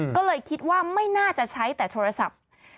ก็เลยคิดว่าไม่น่าจะใช้แต่โทรศัพท์